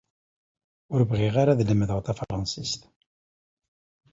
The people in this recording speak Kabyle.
Ur bɣiɣ ara ad lemdeɣ tafṛansist.